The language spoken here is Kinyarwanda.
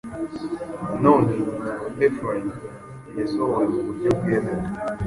nanone yitwa effluent) yasohowe mu buryo bwemewe